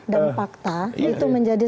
dan fakta itu menjadi